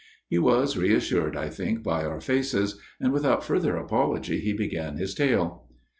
He was reassured, I think, by our faces ; and without further apology he began his tale.